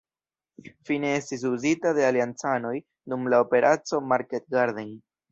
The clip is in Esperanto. Fine estis uzita de Aliancanoj dum la Operaco Market Garden.